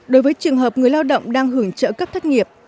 đối với trường hợp người lao động đang hưởng trợ cấp thất nghiệp